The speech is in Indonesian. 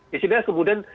di sini kemudian